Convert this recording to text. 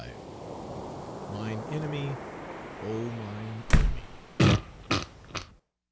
XXXV "MINE ENEMY, O MINE ENEMY!"